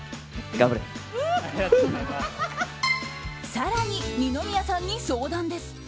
更に、二宮さんに相談です。